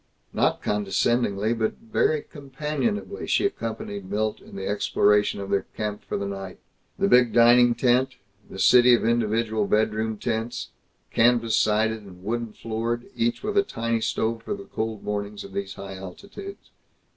Not condescendingly but very companionably she accompanied Milt in the exploration of their camp for the night the big dining tent, the city of individual bedroom tents, canvas sided and wooden floored, each with a tiny stove for the cold mornings of these high altitudes.